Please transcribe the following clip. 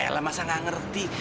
ya eh masa nggak ngerti